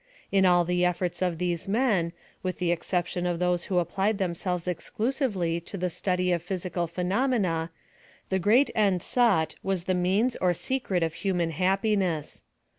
In all the efforts of these men, with the exception of those who applied themselves exclu sively to the stu'iy of physical phenomena the 176 PHILOSOPHY OP THE ^eat end soi ght was the means or secret of hiimau happiness.